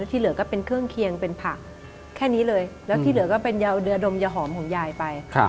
ที่เหลือก็เป็นเครื่องเคียงเป็นผักแค่นี้เลยแล้วที่เหลือก็เป็นยาเดือดมยาหอมของยายไป